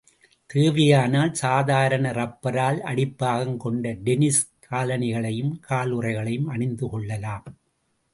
தேவையானால், சாதாரண ரப்பரால் அடிப்பாகம் கொண்ட டென்னிஸ் காலணிகளையும், காலுறைகளையும் அணிந்து கொள்ளலாம்.